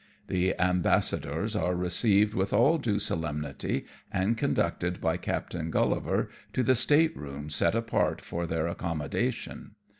The ambassadors are received with all due solemnity, and conducted by Captain Grullivar to the state room set apart for their accommodation.